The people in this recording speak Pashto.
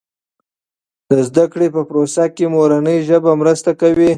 د زده کړې په پروسه کې مورنۍ ژبه مرسته کوي.